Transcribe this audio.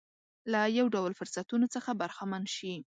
له یو ډول فرصتونو څخه برخمن شي.